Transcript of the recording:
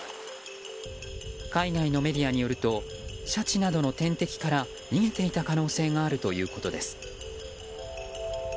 海外のメディアによるとシャチなどの天敵から逃げていた可能性があるということです。